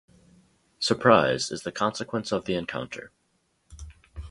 Surprise is the consequence of the encounter.